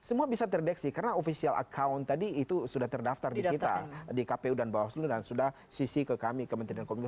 semua bisa terdeksi karena official account tadi itu sudah terdaftar di kita di kpu dan bawaslu dan sudah sisi ke kami kementerian komunikasi